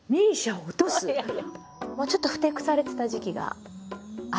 ちょっとふてくされてた時期があったんですね。